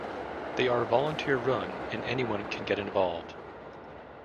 They are volunteer-run, and anyone can get involved.